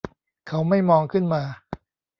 เขาไม่มองขึ้นมา